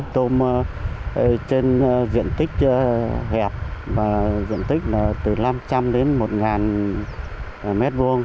tôm trên diện tích hẹp và diện tích là từ năm trăm linh đến một m hai